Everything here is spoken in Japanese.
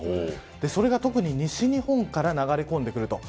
それが特に西日本から流れ込んでくると。